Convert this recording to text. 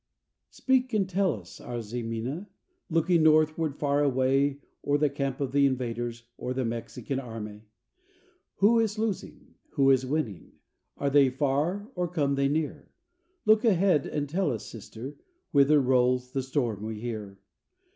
Speak and tell us, our Ximena, looking northward far away, O'er the camp of the invaders, o'er the Mexican army. Who is losing? Who is winning? Are they far or come they near? Look ahead, and tell us, Sister, whither rolls the storm we hear.